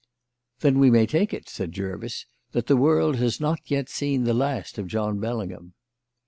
"Then we may take it," said Jervis, "that the world has not yet seen the last of John Bellingham."